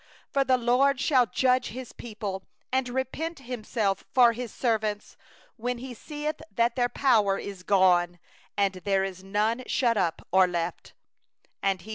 36For the LORD will judge His people, And repent Himself for His servants; When He seeth that their stay is gone, And there is none remaining, shut up or left at large.